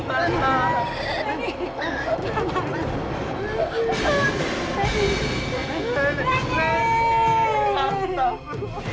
tuan dulu udah berhasil